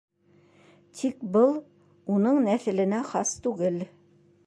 Тик был уның нәҫеленә хас түгел.